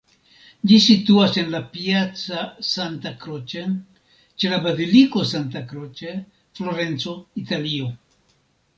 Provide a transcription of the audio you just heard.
Ĝi situas en la Piazza Santa Croce, ĉe la Baziliko Santa Croce, Florenco, Italio.